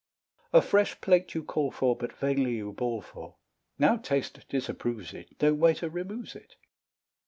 A fresh plate you call for, But vainly you bawl for; Now taste disapproves it, No waiter removes it.